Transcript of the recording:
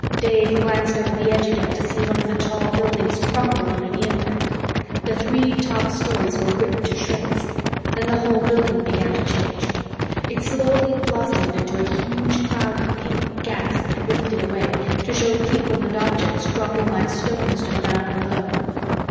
Dave glanced over the edge again to see one of the tall buildings crumple under the impact. The three top stories were ripped to shreds. Then the whole building began to change. It slowly blossomed into a huge cloud of pink gas that rifted away, to show people and objects dropping like stones to the ground below.